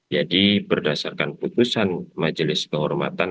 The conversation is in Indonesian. berdasarkan putusan majelis kehormatan